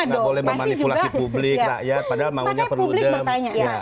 nggak boleh memanipulasi publik rakyat padahal maunya perludem